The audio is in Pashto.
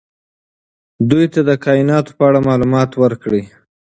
دوی ته د کائناتو په اړه معلومات ورکړئ.